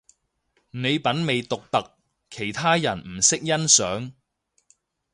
你品味獨特，其他人唔識欣賞